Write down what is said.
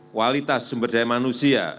kualitas sumber daya manusia